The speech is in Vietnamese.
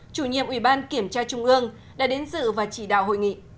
chủ nhiệm ủy ban kiểm tra trung ương đã đến dự và chỉ đạo hội nghị